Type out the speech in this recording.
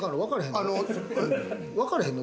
わからへんの？